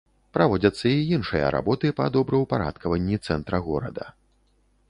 Праводзяцца і іншыя работы па добраўпарадкаванні цэнтра горада.